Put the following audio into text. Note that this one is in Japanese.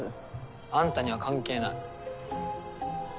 あんたには関係ない。